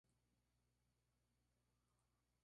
Tiene una presa de gravedad.